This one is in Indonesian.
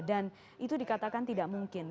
dan itu dikatakan tidak mungkin